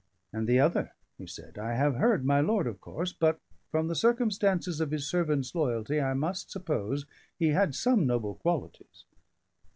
"And the other?" he said. "I have heard my lord, of course; but, from the circumstances of his servant's loyalty, I must suppose he had some noble qualities."